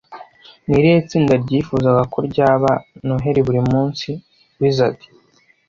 Ni irihe tsinda ryifuzaga ko ryaba Noheri buri munsi Wizard